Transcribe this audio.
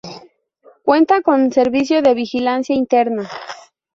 Cuenta con servicio de vigilancia interna.